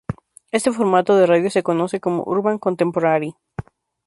Este formato de radio se conoce como "urban contemporary".